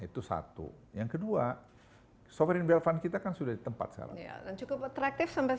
itu satu yang kedua sovereign wealth fund kita kan sudah tempat sekarang cukup atraktif sampai